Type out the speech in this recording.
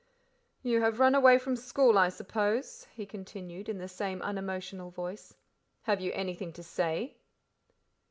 "You have run away from school, I suppose?" he continued, in the same unemotional voice. "Have you anything to say?"